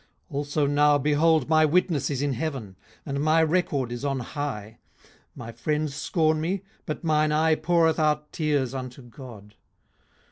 18:016:019 Also now, behold, my witness is in heaven, and my record is on high. 18:016:020 My friends scorn me: but mine eye poureth out tears unto God.